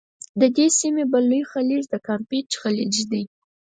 د دې سیمي بل لوی خلیج د کامپېچ خلیج دی.